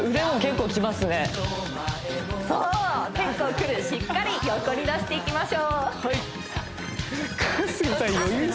そう結構くるしっかり横に出していきましょう春日さん